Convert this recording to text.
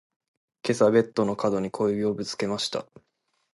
今朝ベッドの角に小指をぶつけました。